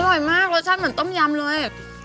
อร่อยมากรสชาติเหมือนต้มยำเลย